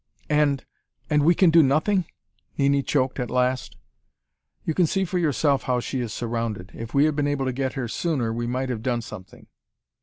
"And and we can do nothing?" Nini choked at last. "You can see for yourself how she is surrounded. If we had been able to get here sooner, we might have done something.